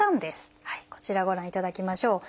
こちらご覧いただきましょう。